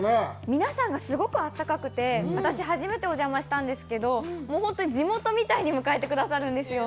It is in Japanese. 皆さんがすごくあったかくて、私、初めてお邪魔したんですけど、本当に地元みたいに迎えてくださるんですよ。